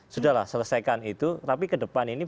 sudah lah selesaikan itu tapi kedepan ini